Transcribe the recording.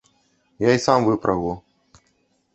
Я й сам выпрагу.